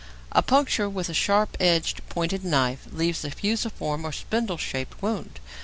A puncture with a sharp edged, pointed knife leaves a fusiform or spindle shaped wound.